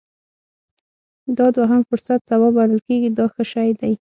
دا دوهم فرصت سبا بلل کېږي دا ښه شی دی.